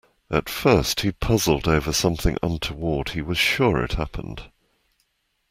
At first he puzzled over something untoward he was sure had happened.